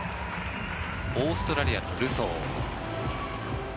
オーストラリアのルソー。